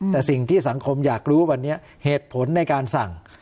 แต่สิ่งที่สังคมอยากรู้วันนี้เหตุผลในการสั่ง